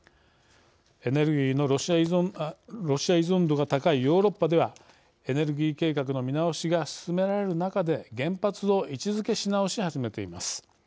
エネルギーのロシア依存度が高いヨーロッパではエネルギー計画の見直しが進められる中で、原発を位置づけし直し始めています。